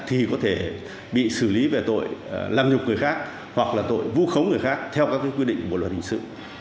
thì có thể bị xử lý về tội làm nhục người khác hoặc là tội vu khống người khác theo các quy định của luật hình sự